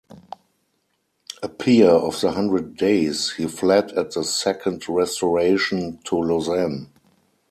A peer of the Hundred Days, he fled at the second Restoration to Lausanne.